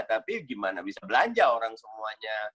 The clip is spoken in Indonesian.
tapi gimana bisa belanja orang semuanya